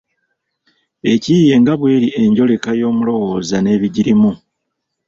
Ekiyiiye nga bw’eri enjoleka y’omulowooza n’ebigulimu.